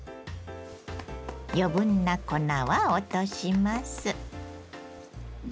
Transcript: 余分な粉は落とします。